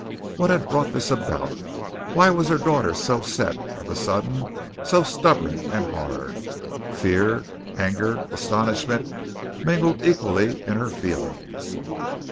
What had brought this about? Why was her daughter so set of a sudden, so stubborn and hard? Fear, anger, astonishment, mingled equally in her feelings.